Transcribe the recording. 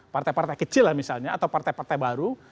partai partai kecil lah misalnya atau partai partai baru